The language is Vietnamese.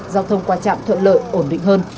giao thông qua trạm thuận lợi ổn định hơn